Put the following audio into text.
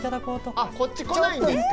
あっこっち来ないんですか？